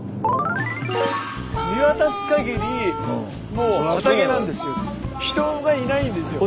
見渡すかぎりもう畑なんですよ。